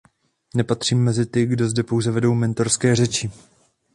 Nepatřím mezi ty, kdo zde pouze vedou mentorské řeči.